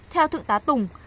theo thượng tá tùng